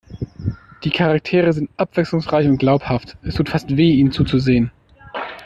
Die Charaktere sind abwechslungsreich und glaubhaft. Es tut fast weh, ihnen zuzusehen.